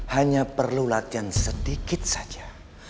hanya perlu latihan sedikit saja